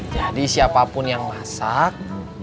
jadi siapapun yang masak